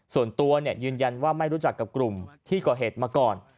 ส่วนตัวยืนยันว่าไม่รู้จักกับกลุ่มที่ก่อเหตุมาก่อน